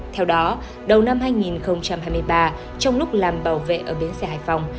theo đó đầu năm hai nghìn hai mươi ba trong lúc làm bảo vệ ở bến xe hải phòng